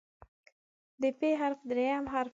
د "پ" حرف دریم حرف دی.